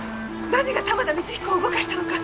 何が玉田光彦を動かしたのか。